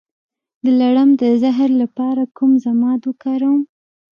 د لړم د زهر لپاره کوم ضماد وکاروم؟